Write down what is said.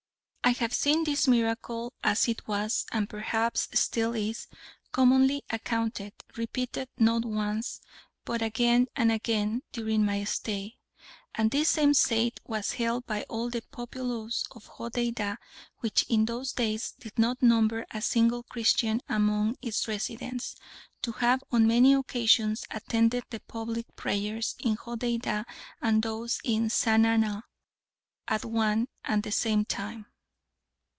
I have seen this miracle as it was, and perhaps still is, commonly accounted, repeated not once, but again and again during my stay. And this same saint was held by all the populace of Hodeidah, which in those days did not number a single Christian among its residents, to have on many occasions attended the public prayers in Hodeidah and those in Sana'a at one and the same time.